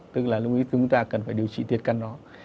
tức là chúng ta cần phải điều trị tiệt căn nó